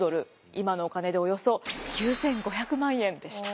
今のお金でおよそ９，５００万円でした。